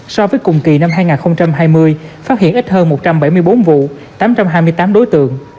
so với cùng kỳ năm hai nghìn hai mươi phát hiện ít hơn một trăm bảy mươi bốn vụ tám trăm hai mươi tám đối tượng